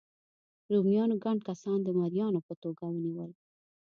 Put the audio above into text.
رومیانو ګڼ کسان د مریانو په توګه ونیول.